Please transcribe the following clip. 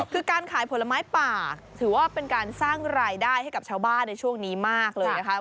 คือการขายผลไม้ป่าถือว่าเป็นการสร้างรายได้ให้กับชาวบ้านในช่วงนี้มากเลยนะคะ